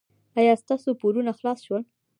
ایا ستاسو پورونه خلاص شول؟